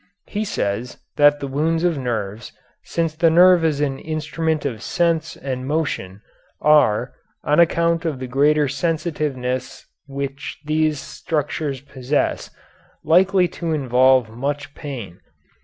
He says that the wounds of nerves, since the nerve is an instrument of sense and motion, are, on account of the greater sensitiveness which these structures possess, likely to involve much pain.